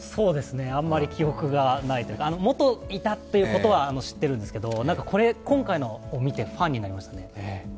あんまり記憶がないというか元いたということは知っているんですけれども、今回のを見てファンになりましたね。